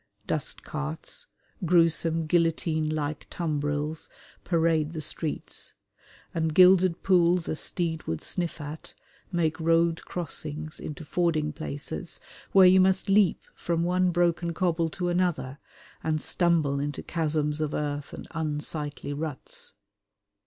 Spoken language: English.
Dustcarts, gruesome guillotine like tumbrils, parade the streets; and "gilded pools a steed would sniff at" make road crossings into fording places where you must leap from one broken cobble to another and stumble into chasms of earth and unsightly ruts.